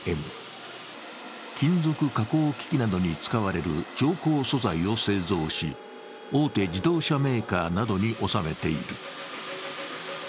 金属加工機器などに使われる超硬素材を製造し、大手自動車メーカーなどに納めている。